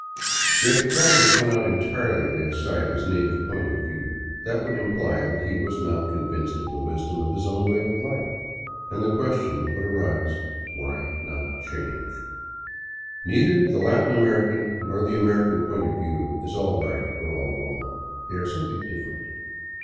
Yet the traveler cannot entirely lay aside his native point of view ; that would imply that he was not convinced of the wisdom of his own way of life, and the question would arise, Why not change? Neither the Latin American nor the American point of view is all right or all wrong; they are simply different.